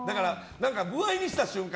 歩合にした瞬間